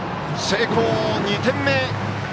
成功、２点目！